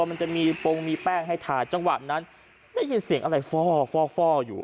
มันจะมีโปรงมีแป้งให้ทาจังหวะนั้นได้ยินเสียงอะไรฟ่อฟ่ออยู่